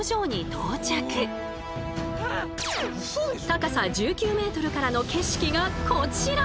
高さ１９ｍからの景色がこちら！